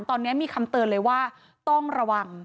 ตอนนี้มีคำเตือนเลยว่าต้องระวัง